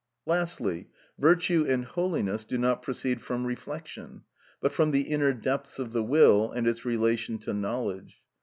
Lastly, virtue and holiness do not proceed from reflection, but from the inner depths of the will, and its relation to knowledge.